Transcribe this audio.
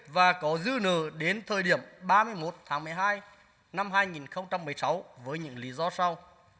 và có dư nợ đến thời điểm ba mươi một tháng một mươi hai năm hai nghìn một mươi sáu với những lý do sau